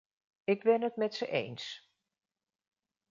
Ik ben het met ze eens.